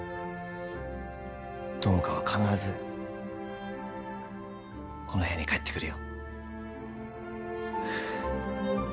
友果は必ずこの部屋に帰ってくるよ